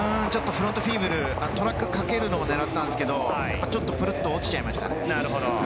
フロントフィーブル、トラックかけるのをねらったんですけど、ちょっとプルっと落ちちゃいましたね。